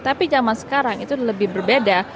tapi zaman sekarang itu lebih berbeda